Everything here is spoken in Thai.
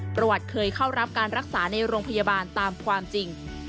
ประวัติเคยเข้ารับการรักษาในโรงพยาบาลตามความจริง